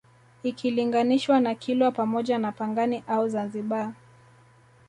Ikilinganishwa na Kilwa pamoja na Pangani au Zanzibar